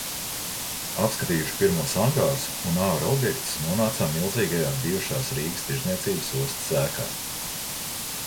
Apskatījuši pirmos angārus un āra objektus, nonācām milzīgajā bijušās Rīgas tirdzniecības ostas ēkā.